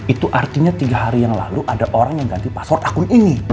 itu artinya tiga hari yang lalu ada orang yang ganti password akun ini